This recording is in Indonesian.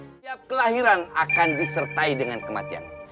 setiap kelahiran akan disertai dengan kematian